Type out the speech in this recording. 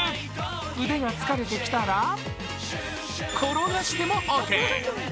腕が疲れてきたら転がしてもオーケー。